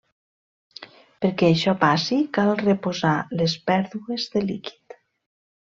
Perquè això passi, cal reposar les pèrdues de líquid.